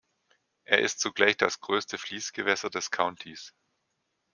Er ist zugleich das größte Fließgewässer des Countys.